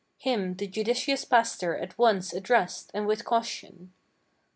Him the judicious pastor at once addressed and with caution.